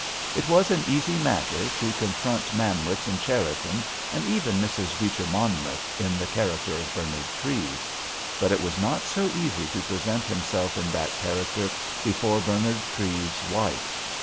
It was an easy matter to confront Manwitz and Cherriton, and even Mrs. Beecher Monmouth, in the character of Bernard Treves. It was not so easy to present himself in that character before Bernard Treves's wife.